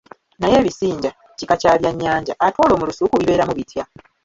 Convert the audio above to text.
Naye ebisinja kika kya byannyanja, ate olwo mu lusuku bibeeramu bitya?